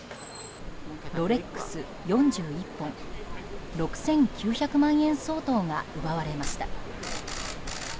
ロレックス４１本６９００万円相当が奪われました。